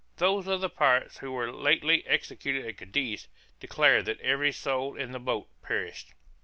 Those of the pirates who were lately executed at Cadiz, declared that every soul in the boat perished.